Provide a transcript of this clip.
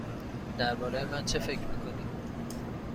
درباره من چه فکر می کنی؟